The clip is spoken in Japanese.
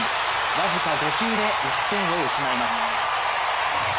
僅か５球で、１点を失います。